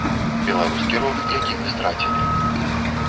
Беларускі рок, які мы страцілі.